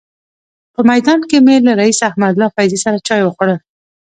په میدان کې مې له رئیس احمدالله فیضي سره چای وخوړل.